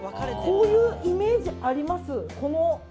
こういうイメージあります。